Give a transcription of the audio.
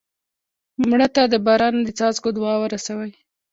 مړه ته د باران د څاڅکو دعا ورسوې